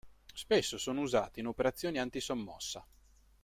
Spesso sono usate in operazioni anti-sommossa.